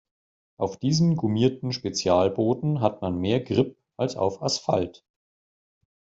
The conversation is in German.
Auf diesem gummierten Spezialboden hat man mehr Grip als auf Asphalt.